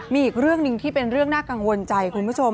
มีอีกเรื่องหนึ่งที่เป็นเรื่องน่ากังวลใจคุณผู้ชม